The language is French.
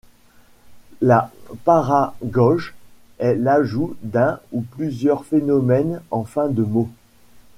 La paragoge est l'ajout d'un ou plusieurs phonèmes en fin de mot.